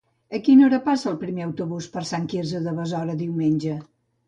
A quina hora passa el primer autobús per Sant Quirze de Besora diumenge?